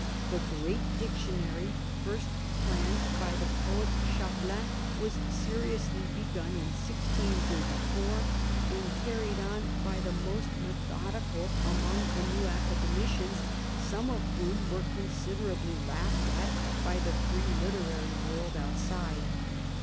The great Dictionary, first planned by the poet Chapelain, was seriously begun in 1634 and carried on by the most methodical among the new academicians, some of whom were considerably laughed at by the free literary world THE CARDINAL 245 outside.